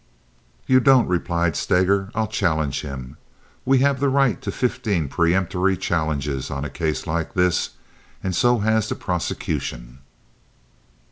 "You don't," replied Steger. "I'll challenge him. We have the right to fifteen peremptory challenges on a case like this, and so has the prosecution."